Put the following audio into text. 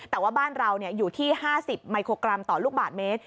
แต่ว่าบ้านเราอยู่ที่๕๐มิโครกรัมต่อลูกบาทเมตร